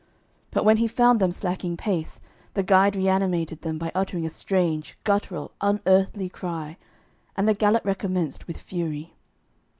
But when he found them slacking pace, the guide reanimated them by uttering a strange, gutteral, unearthly cry, and the gallop recommenced with fury.